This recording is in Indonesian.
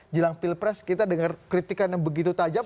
jelang pilpres kita dengar kritikan yang begitu tajam